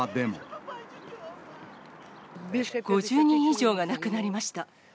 ５０人以上が亡くなりました。